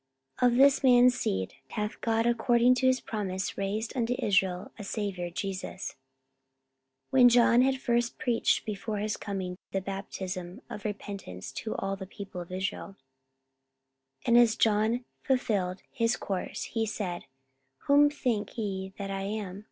44:013:023 Of this man's seed hath God according to his promise raised unto Israel a Saviour, Jesus: 44:013:024 When John had first preached before his coming the baptism of repentance to all the people of Israel. 44:013:025 And as John fulfilled his course, he said, Whom think ye that I am?